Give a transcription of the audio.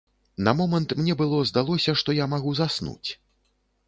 На момант мне было здалося, што я магу заснуць.